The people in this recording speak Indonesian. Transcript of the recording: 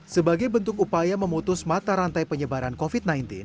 sebagai bentuk upaya memutus mata rantai penyebaran covid sembilan belas